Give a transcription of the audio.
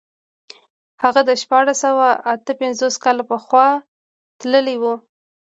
هغه د شپاړس سوه اته پنځوس کال شاوخوا تللی و.